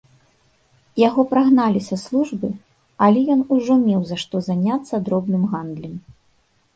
Яго прагналі са службы, але ён ужо меў за што заняцца дробным гандлем.